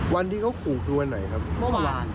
วันที่เขาขู่คือวันไหนครับ